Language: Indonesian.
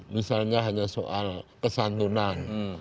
misalnya hanya soal kesatunan